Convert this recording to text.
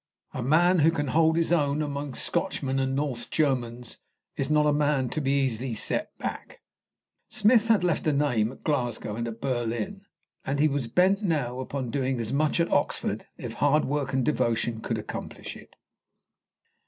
A man who can hold his own among Scotchmen and North Germans is not a man to be easily set back. Smith had left a name at Glasgow and at Berlin, and he was bent now upon doing as much at Oxford, if hard work and devotion could accomplish it.